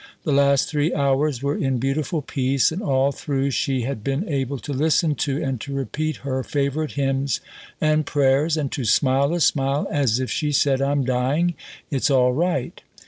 The last three hours were in beautiful peace and all through she had been able to listen to and to repeat her favourite hymns and prayers, and to smile a smile as if she said, 'I'm dying: it's all right.'